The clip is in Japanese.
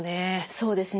そうですね。